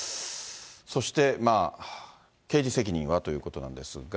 そして、刑事責任はということなんですが。